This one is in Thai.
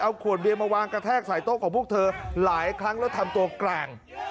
เอาขวดเบียร์มาวางกระแทกใส่โต๊ะของพวกเธอหลายครั้งแล้วทำตัวแกร่ง